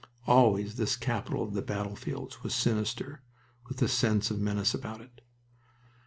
Always this capital of the battlefields was sinister, with the sense of menace about.